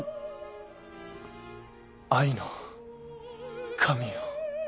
『愛の神よ』。